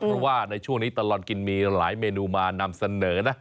เพราะว่าในช่วงนี้ตลอดกินมีหลายเมนูมานำเสนอนะ